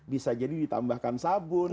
bisa jadi ditambahkan sabun